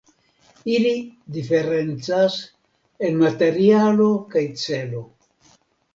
Ili diferencas en materialo kaj celo.